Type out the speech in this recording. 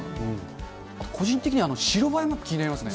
個人的には、白バイも気になりますね。